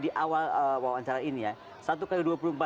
di awal wawancara ini ya